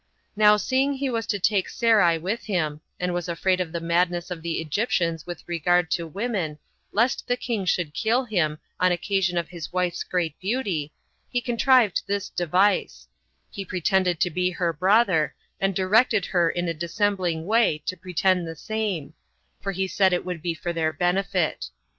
Now, seeing he was to take Sarai with him, and was afraid of the madness of the Egyptians with regard to women, lest the king should kill him on occasion of his wife's great beauty, he contrived this device:he pretended to be her brother, and directed her in a dissembling way to pretend the same, for he said it would be for their benefit.